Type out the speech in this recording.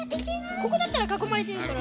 ここだったらかこまれてるから。